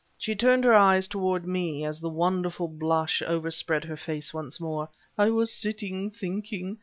She turned her eyes toward me, as the wonderful blush overspread her face once more. "I was sitting thinking.